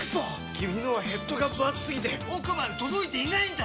君のはヘッドがぶ厚すぎて奥まで届いていないんだっ！